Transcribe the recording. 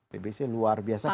tb sih luar biasa